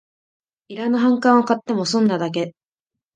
いらぬ反感を買っても損なだけ